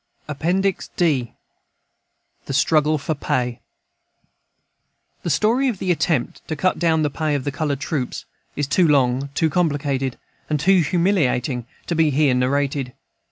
Appendix D The Struggle for Pay The story of the attempt to cut down the pay of the colored troops is too long, too complicated, and too humiliating, to be here narrated.